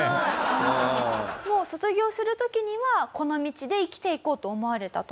もう卒業する時にはこの道で生きていこうと思われたと。